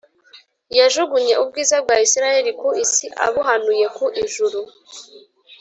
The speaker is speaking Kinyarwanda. Yajugunye ubwiza bwa Isirayeli ku isi abuhanuye ku ijuru.